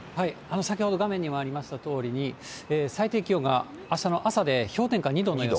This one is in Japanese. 先ほど画面にもありましたとおりに、最低気温があしたの朝で氷点下２度の予想。